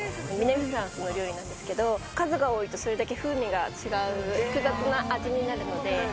フランスの料理なんですけど、数が多いとそれだけ風味が違う複雑な味になるので。